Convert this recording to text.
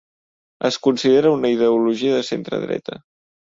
Es considera una ideologia de centredreta.